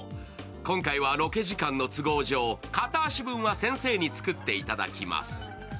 今回はロケ時間の都合上、片足分は先生に作っていただきます。